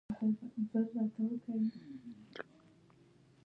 وژژبپوهنه په ځاني توګه پر یوه څانګه اوښتې ده